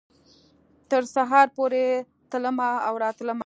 تر سهاره پورې تلمه او راتلمه